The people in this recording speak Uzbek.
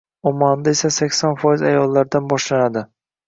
Omanda esa sakson foiz ayollardan boshlanadi.